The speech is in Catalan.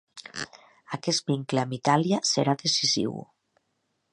Aquest vincle amb Itàlia serà decisiu.